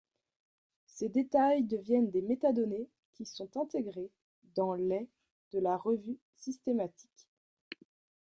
Ces détails deviennent des métadonnées qui sont intégrés dans les de la revue systématique.